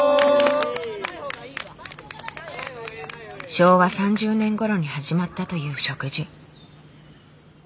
昭和３０年ごろに始まったという植樹。